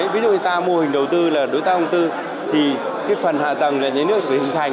ví dụ người ta mua hình đầu tư là đối tác công tư thì cái phần hạ tầng là nhà nước phải hình thành